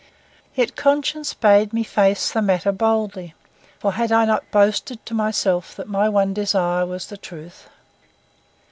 Yet conscience bade me face the matter boldly, for had I not boasted to myself that my one desire was the truth?